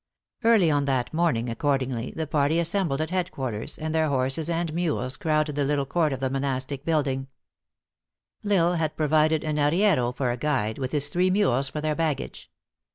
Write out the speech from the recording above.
Early on that morning, accordingly, the party as sembled at headquarters, and their horses and mules crowded the little court of the monastic buildin^ B L Isle had provided an arriero for a guide, with his three mules for their baggage.